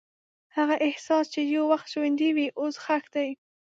هغه احساس چې یو وخت ژوندی و، اوس ښخ دی.